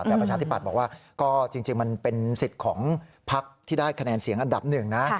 แต่ประชาธิปัตย์บอกว่าก็จริงมันเป็นสิทธิ์ของพักที่ได้คะแนนเสียงอันดับหนึ่งนะ